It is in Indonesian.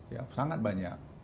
ya sangat banyak